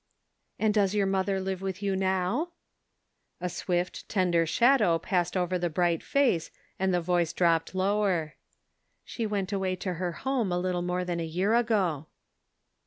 " And does your mother live with you now ?" A swift, tender shadow passed over the bright face, and the voice dropped lower. "She went away to her home a little more than a year ago."